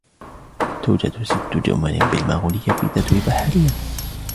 توجد ست جمل بالمغولية في تتويبا حاليا.